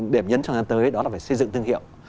điểm nhấn cho người ta tới đó là phải xây dựng thương hiệu